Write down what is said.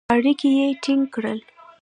اړیکي یې ټینګ کړل.